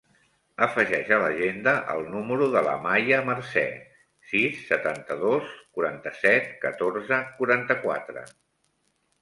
Afegeix a l'agenda el número de l'Amaia Marce: sis, setanta-dos, quaranta-set, catorze, quaranta-quatre.